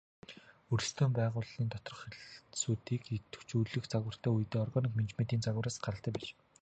Өрсөлдөөн байгууллын доторх хэлтсүүдийг идэвхжүүлэх загвартай үедээ органик менежментийн загвараас гаралтай байж болно.